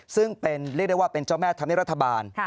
ซึ่งเป็นเรียกได้ว่าเป็นเจ้าแม่ธรรมเนียบรัฐบาล